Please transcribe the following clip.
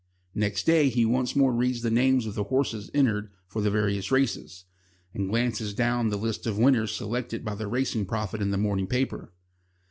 Next day he once more reads the names of the horses entered for the various races, and glances down the list of winners selected by the racing prophet in the morning paper.